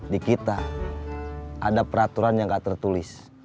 di kita ada peraturan yang gak tertulis